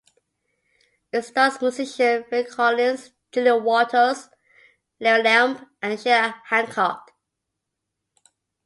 It stars musician Phil Collins, Julie Walters, Larry Lamb and Sheila Hancock.